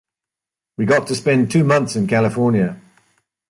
We got to spend two months in California.